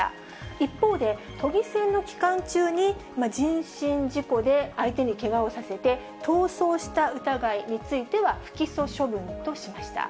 一方で、都議選の期間中に、人身事故で相手にけがをさせて、逃走した疑いについては不起訴処分としました。